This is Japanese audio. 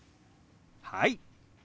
はい！